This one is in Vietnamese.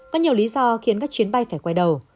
có nhiều lý do khiến các chuyến bay phải quay đầu